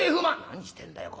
「何してんだよ